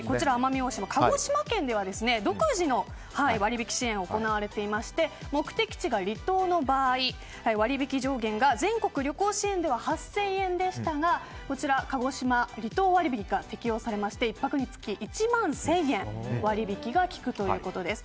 鹿児島県では独自の割引支援が行われていまして目的地が離島の場合割引上限が全国旅行支援では８０００円でしたが鹿児島離島割引が適用されまして１泊につき月１万１０００円割引がきくということです。